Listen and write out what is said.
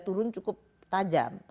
turun cukup tajam